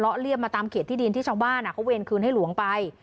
เบ้นร้อนเลี่ยนมาตามเขตที่ดินที่ช่องบ้านอ่ะเค้าเวรคืนให้หลวงไป